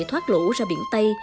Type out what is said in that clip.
thoát lũ ra biển tây